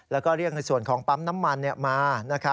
แล้วก็เรียกในส่วนของปั๊มน้ำมันมา